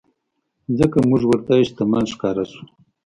ځکه مونږ ورته شتمن ښکاره شوو.